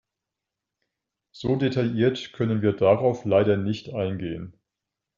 So detailliert können wir darauf leider nicht eingehen.